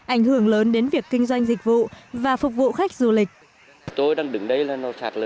ảnh hưởng lớn đến việc kinh doanh dịch vụ và phục vụ khách du lịch